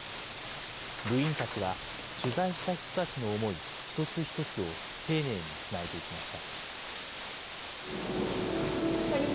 部員たちは、取材した人たちの思い一つ一つを丁寧につないでいきました。